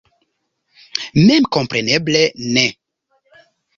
Memkompreneble ne.